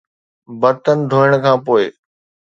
برتن ڌوئڻ کان پوء